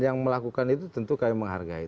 yang melakukan itu tentu kami menghargai